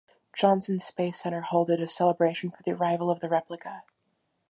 Johnson Space Center hosted a celebration for the arrival of the replica.